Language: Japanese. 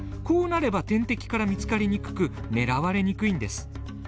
こうなれば天敵から見つかりにくく狙われにくいんです。